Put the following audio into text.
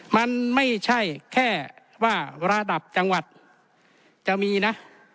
มันไม่ใช่แค่ว่าระดับจังหวัดจะมีนะ